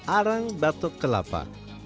arang batok kelapa